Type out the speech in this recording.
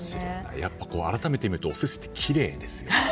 やっぱり改めて見るとお寿司ってきれいですね。